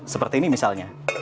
seperti ini misalnya